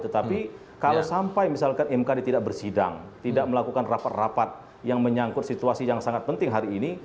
tetapi kalau sampai misalkan mkd tidak bersidang tidak melakukan rapat rapat yang menyangkut situasi yang sangat penting hari ini